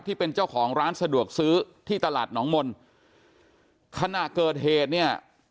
ที่เป็นเจ้าของร้านสะดวกซื้อที่ตลาดหนองมนต์ขณะเกิดเหตุเนี่ย